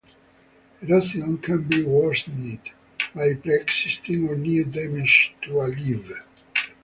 Erosion can be worsened by pre-existing or new damage to a levee.